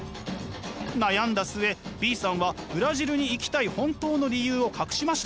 悩んだ末Ｂさんはブラジルに行きたい本当の理由を隠しました。